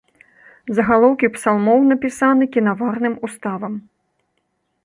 Загалоўкі псалмоў напісаны кінаварным уставам.